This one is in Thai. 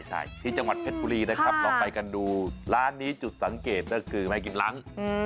ใช่ที่จังหวัดเพชรบุรีนะครับลองไปกันดูร้านนี้จุดสังเกตก็คือไม่กินล้าง